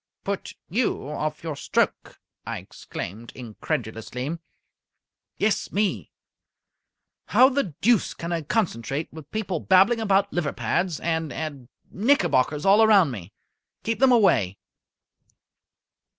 "Put you off your stroke!" I exclaimed, incredulously. "Yes, me! How the deuce can I concentrate, with people babbling about liver pads, and and knickerbockers all round me? Keep them away!"